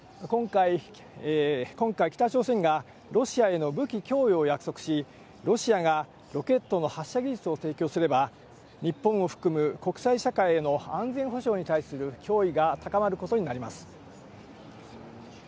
今回、北朝鮮がロシアへの武器供与を約束し、ロシアがロケットの発射技術を提供すれば、日本を含む国際社会への安全保障に対する脅威が高まることになります。